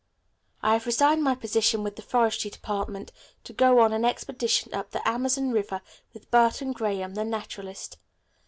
I have resigned my position with the Forestry Department to go on an expedition up the Amazon River with Burton Graham, the naturalist.